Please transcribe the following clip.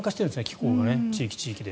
気候が、地域地域で。